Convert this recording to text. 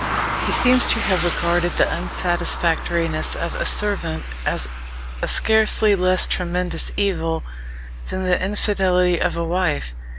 He seems to have regarded the unsatisfactoriness of a servant as a scarcely less tremendous evil than the infidelity of a wife.